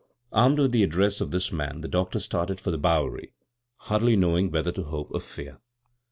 Armed with the address of diis man the doctor started for the Bowery, hardly know ing whether to hope or fear.